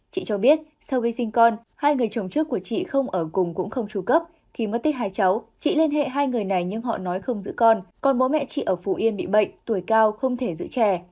chị cho biết sau khi sinh con hai người chồng trước của chị không ở cùng cũng không tru cấp khi mất tích hai cháu chị liên hệ hai người này nhưng họ nói không giữ con còn bố mẹ chị ở phú yên bị bệnh tuổi cao không thể giữ trẻ